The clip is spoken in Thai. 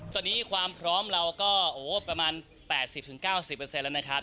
ตอนนี้ความพร้อมเราก็ประมาณ๘๐๙๐แล้วนะครับ